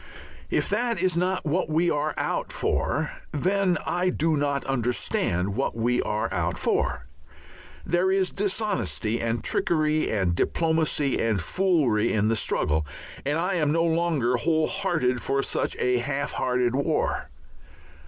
If that is not what we are out for, then I do not understand what we are out for; there is dishonesty and trickery and diplomacy and foolery in the struggle, and I am no longer whole hearted for such a half hearted war.